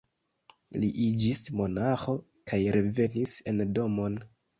Li iĝis monaĥo kaj revenis en domon.